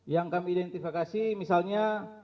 yang kami identifikasi misalnya